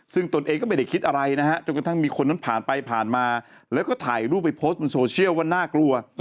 ซึ่งตนเองก็ไม่ได้คิดอะไรนะฮะจนกระทั่งมีคนนั้นผ่านไปผ่านมาแล้วก็ถ่ายรูปไปโพสต์บนโซเชียลว่าน่ากลัว